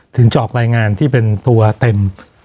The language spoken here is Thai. ถึงจะออกรายงานที่เป็นตัวเต็ม